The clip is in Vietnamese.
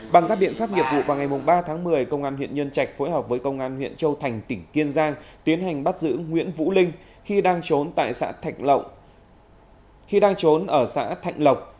bằng các biện pháp nghiệp vụ vào ngày ba tháng một mươi công an huyện nhân trạch phối hợp với công an huyện châu thành tỉnh kiên giang tiến hành bắt giữ nguyễn vũ linh khi đang trốn ở xã thạnh lộc